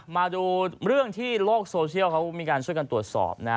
มาดูเรื่องที่โลกโซเชียลเขามีการช่วยกันตรวจสอบนะ